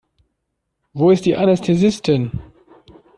Wo ist die Anästhesistin?